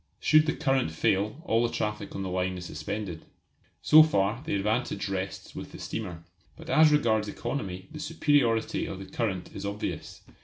Should the current fail all the traffic on the line is suspended. So far the advantage rests with the steamer. But as regards economy the superiority of the current is obvious.